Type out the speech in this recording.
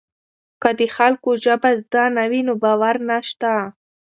که د خلکو ژبه زده نه وي نو باور نشته.